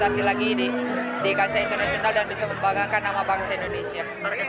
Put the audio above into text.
prestasi lagi di kancah internasional dan bisa membanggakan nama bangsa indonesia